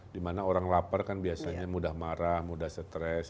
dimana orang lapar kan biasanya mudah marah mudah stres